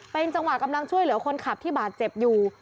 เป็นจังหวะกำลังช่วยเหลือคนขับที่บาดเจ็บอยู่